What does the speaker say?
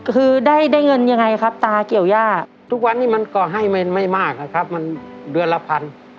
ครับมันเดือนละพัน